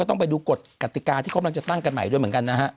ต้องไปดูกฎกติกาที่กำลังจะตั้งกันใหม่ด้วยเหมือนกันนะฮะ